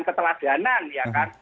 dan keteladanan ya kan